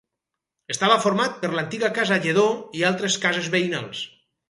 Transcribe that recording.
Estava format per l'antiga casa Lledó i altres cases veïnals.